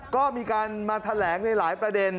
ก็มีการมาแถลงในหลายประเด็น